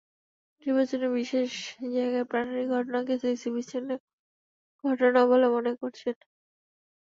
নির্বাচনে বিভিন্ন জায়গায় প্রাণহানির ঘটনাকে সিইসি বিচ্ছিন্ন ঘটনা বলে মন্তব্য করেছেন।